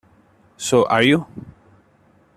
So are you.